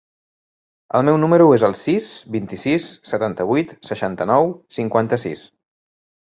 El meu número es el sis, vint-i-sis, setanta-vuit, seixanta-nou, cinquanta-sis.